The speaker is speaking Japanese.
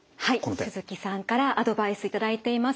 はい鈴木さんからアドバイス頂いています。